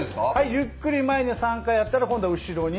ゆっくり前に３回やったら今度は後ろに。